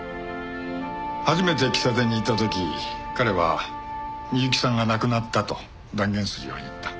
初めて喫茶店に行った時に彼は美雪さんが亡くなったと断言するように言った。